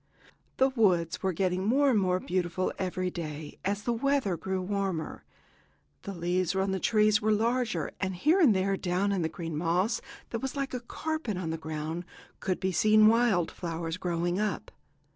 The woods were getting more and more beautiful every day as the weather grew warmer. The leaves on the trees were larger, and here and there, down in the green moss, that was like a carpet on the ground, could be seen wild flowers growing up.